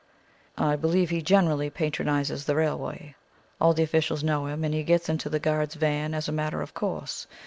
"I believe he generally patronizes the railway. All the officials know him, and he gets into the guard's van as a matter of course.